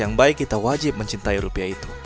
yang baik kita wajib mencintai rupiah itu